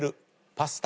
パスタ⁉